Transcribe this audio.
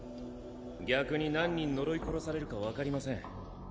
逆に何人呪い殺されるか分かりません。